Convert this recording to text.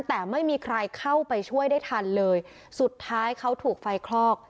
แต่ไม่มีใครเข้าไปช่วยได้ทันเลยสุดท้ายเขาถูกไฟคลอก